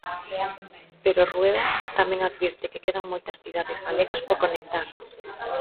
Pero Rueda tamén advirte que quedan moitas cidades galegas por conectar.